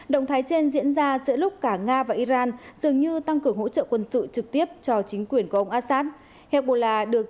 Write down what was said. động thái trên diễn ra giữa lúc cả nga và iran dường như tăng cường hỗ trợ quân sự trực tiếp cho chính quyền của ông assadollah được